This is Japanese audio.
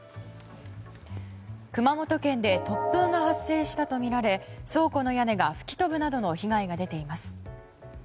熊本県で突風が発生したとみられ倉庫の屋根が吹き飛ぶなどの被害が出ています。